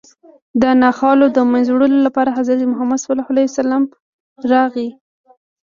د ناخوالو د منځه وړلو لپاره حضرت محمد صلی الله علیه وسلم راغی